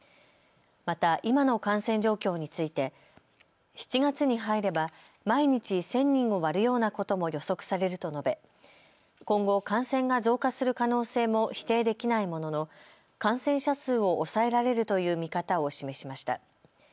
また今の感染状況について７月に入れば毎日１０００人を割るようなことも予測されると述べ今後、感染が増加する可能性も否定できないものの感染者数を抑えられるという見方を示しました。